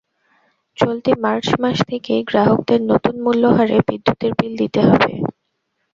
চলতি মার্চ মাস থেকেই গ্রাহকদের নতুন মূল্যহারে বিদ্যুতের বিল দিতে হবে।